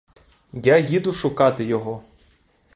Я їду шукати його.